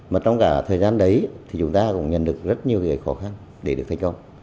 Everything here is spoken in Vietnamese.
mà trong cả thời gian đấy thì chúng ta cũng nhận được rất nhiều khó khăn để được thành công